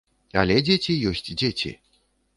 Але дзеці ёсць дзеці.